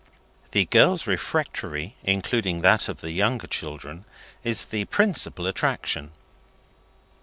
The girls' refectory (including that of the younger children) is the principal attraction.